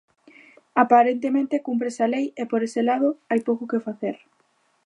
Aparentemente cúmprese a lei, e por ese lado hai pouco que facer.